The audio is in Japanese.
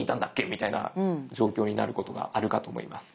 みたいな状況になることがあるかと思います。